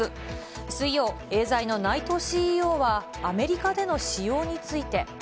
水曜、エーザイの内藤ＣＥＯは、アメリカでの使用について。